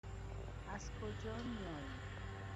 از کجا میآیی؟